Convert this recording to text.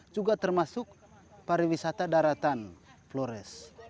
juga termasuk pariwisata daratan flores